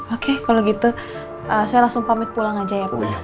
oke kalau gitu saya langsung pamit pulang aja ya pak